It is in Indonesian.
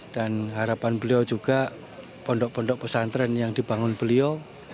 dan harapan beliau juga pondok pondok pesantren yang dibangun beliau